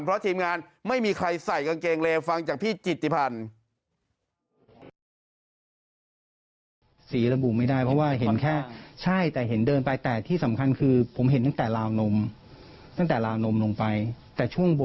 เพราะทีมงานไม่มีใครใส่กางเกงเลฟังจากพี่จิตติพันธ์